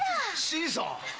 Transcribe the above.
新さん！